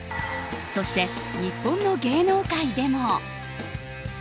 そして日本の芸能界でも。